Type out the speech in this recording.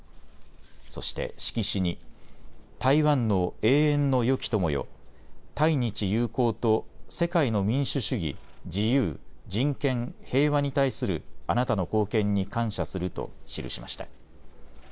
そして色紙に、台湾の永遠のよき友よ、台日友好と世界の民主主義、自由、人権、平和に対するあなたの貢献に感謝すると記しました。